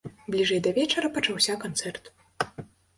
Бліжэй да вечара пачаўся канцэрт.